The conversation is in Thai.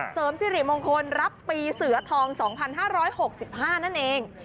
เสริมสิริมงคลรับปีเสือทอง๒๕๖๕นั่นเอง